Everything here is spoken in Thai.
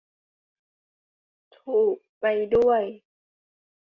ถูก ไปด้วย !